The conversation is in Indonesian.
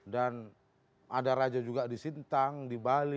dan ada raja juga di sintang di bali